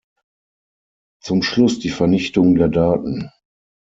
Zum Schluss die Vernichtung der Daten.